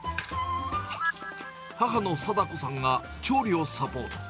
母のさだ子さんが調理をサポート。